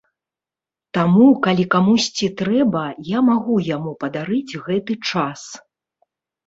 Таму калі камусьці трэба, я магу яму падарыць гэты час.